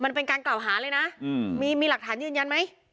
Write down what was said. มันเป็นการกล่าวหาเลยนะมีหลักฐานยืนยันไหม